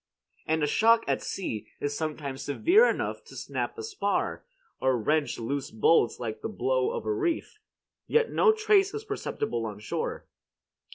And a shock at sea is sometimes severe enough to snap a spar, or wrench loose bolts like the blow of a reef, yet no trace is perceptible on shore.